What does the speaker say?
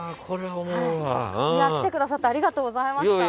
来てくださってありがとうございました。